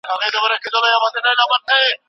صفوي دولت پر کندهار څلوېښت کاله واکمني وکړه.